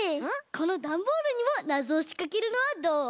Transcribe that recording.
このダンボールにもなぞをしかけるのはどう？